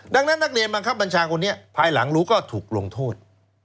ดังนั้นนักเรียนบังคับบัญชาคนนี้ภายหลังรู้ก็ถูกลงโทษ